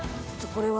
これは。